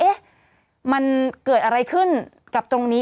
เอ๊ะมันเกิดอะไรขึ้นกับตรงนี้